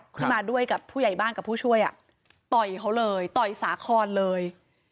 ที่มาด้วยกับผู้ใหญ่บ้านกับผู้ช่วยต่อยเขาเลยต่อยสาคอนเลย